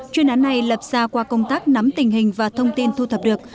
chuyên án này lập ra qua công tác nắm tình hình và thông tin thu thập được